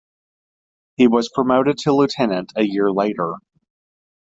He was promoted to lieutenant a year later.